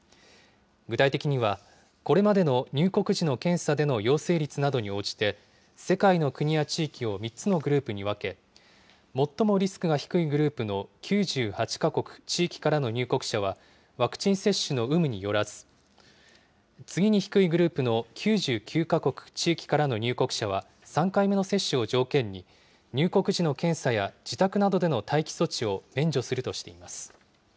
具体的には、これまでの入国時の検査での陽性率などに応じて、世界の国や地域を３つのグループに分け、最もリスクが低いグループの９８か国・地域からの入国者はワクチン接種の有無によらず、次に低いグループの９９か国・地域からの入国者は３回目の接種を条件に、入国時の検査や自宅などでの待機措置を免除するとしています。